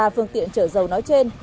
ba phương tiện chở dầu nói trên